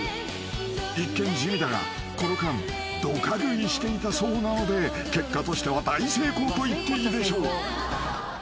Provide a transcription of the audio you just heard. ［一見地味だがこの間どか食いしていたそうなので結果としては大成功と言っていいでしょう］